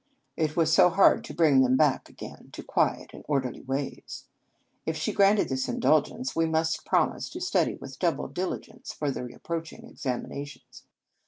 It was so hard to bring them back again to quiet and orderly ways. If she granted this indulgence, we must promise to study with double diligence for the ap proaching examinations.